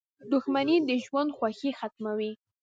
• دښمني د ژوند خوښي ختموي.